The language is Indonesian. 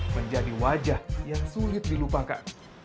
menjadi wajah yang sulit dilupakan